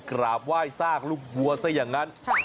กราบไหว้ซากลูกวัวซะอย่างนั้น